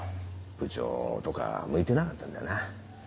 部長とか向いてなかったんだよな。